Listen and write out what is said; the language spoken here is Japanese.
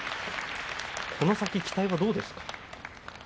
この先、期待はどうですか？